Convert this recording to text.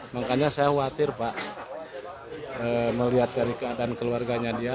makanya saya khawatir pak melihat dari keadaan keluarganya dia